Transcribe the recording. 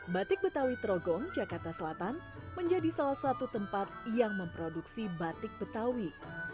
batik betawi trogong jakarta selatan menjadi salah satu tempat yang memproduksi batik betawi